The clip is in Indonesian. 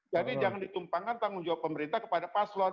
jadi jangan ditumpangkan tanggung jawab pemerintah kepada paslon